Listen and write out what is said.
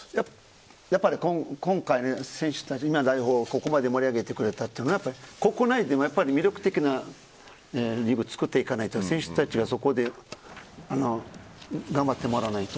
やっぱり今回、選手たちがここまで盛り上げてくれたというのは国内でも魅力的なリーグを作って選手たちに頑張ってもらわないと。